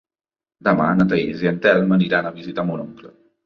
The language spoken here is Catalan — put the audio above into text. Demà na Thaís i en Telm aniran a visitar mon oncle.